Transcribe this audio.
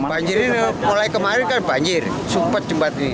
banjir ini mulai kemarin kan banjir sumpat jembat ini